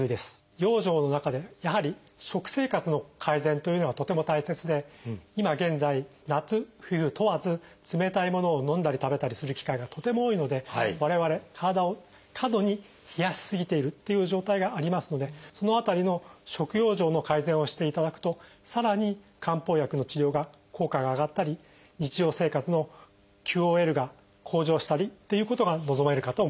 養生の中でやはり食生活の改善というのがとても大切で今現在夏冬問わず冷たいものを飲んだり食べたりする機会がとても多いので我々体を過度に冷やし過ぎているっていう状態がありますのでその辺りの食養生の改善をしていただくとさらに漢方薬の治療が効果が上がったり日常生活のＱＯＬが向上したりということが望めるかと思います。